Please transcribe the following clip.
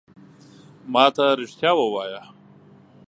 ما ته رېښتیا ووایه !